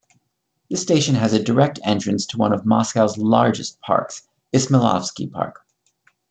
The station has a direct entrance to one of Moscow's largest parks, Izmaylovsky Park.